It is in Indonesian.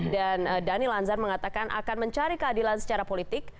dan daniel langsam mengatakan akan mencari keadilan secara politik